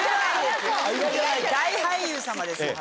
大俳優さまですよ。